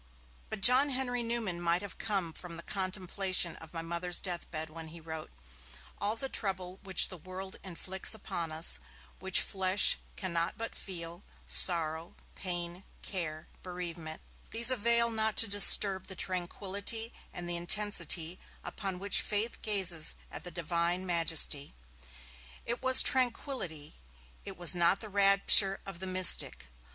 But John Henry Newman might have come from the contemplation of my Mother's death bed when he wrote: 'All the trouble which the world inflicts upon us, and which flesh cannot but feel, sorrow, pain, care, bereavement, these avail not to disturb the tranquillity and the intensity with which faith gazes at the Divine Majesty.' It was 'tranquillity', it was not the rapture of the mystic.